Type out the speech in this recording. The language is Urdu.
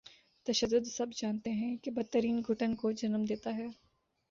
تشدد سب جانتے ہیں کہ بد ترین گھٹن کو جنم دیتا ہے۔